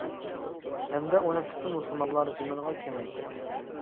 ھەمدە ئۇنى پۈتۈن مۇسۇلمانلار زېمىنىغا كېڭەيتتى.